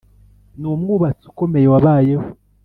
ni umwubatsi ukomeye wabayeho.